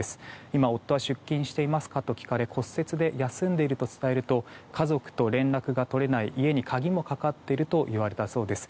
今、夫は出勤していますかと聞かれ骨折で休んでいますと答えると家族と連絡が取れない家に鍵もかかっていると言われたそうです。